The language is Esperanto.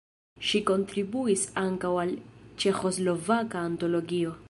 Ŝi kontribuis ankaŭ al "Ĉeĥoslovaka Antologio".